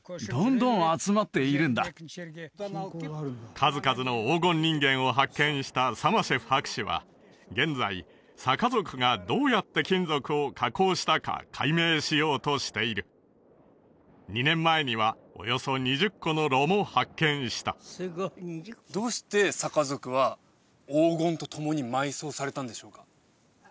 数々の黄金人間を発見したサマシェフ博士は現在サカ族がどうやって金属を加工したか解明しようとしている２年前にはおよそ２０個の炉も発見したどうしてサカ族は黄金と共に埋葬されたんでしょうか？